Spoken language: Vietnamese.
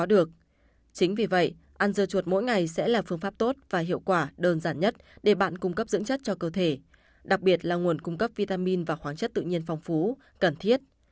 đơn giản nhất để bạn cung cấp dưỡng chất cho cơ thể đặc biệt là nguồn cung cấp vitamin và khoáng chất tự nhiên phong phú cần thiết